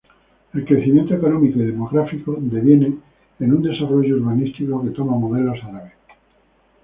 El crecimiento económico y demográfico deviene en un desarrollo urbanístico que toma modelos árabes.